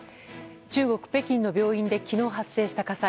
中国・北京の病院で昨日、発生した火災。